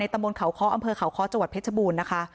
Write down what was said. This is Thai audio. ตำบลเขาเคาะอำเภอเขาเคาะจังหวัดเพชรบูรณ์นะคะ